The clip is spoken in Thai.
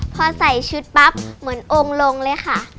เพราะใส่ชุดปั๊ปเหมือนองรงค์เลยค่ะ